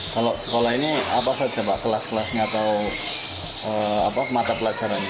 kalau sekolah ini apa saja pak kelas kelasnya atau mata pelajarannya